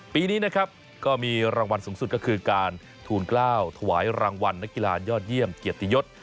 ปีนี้นะครับก็มีรางวัลสูงสุดก็คือการทูลกล้าวถวายรางวัลนักกีฬายอดเยี่ยมเกียรติยศ